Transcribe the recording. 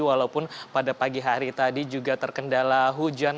walaupun pada pagi hari tadi juga terkendala hujan